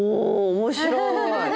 面白い。